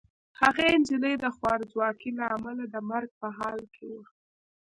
هغه نجلۍ د خوارځواکۍ له امله د مرګ په حال کې وه.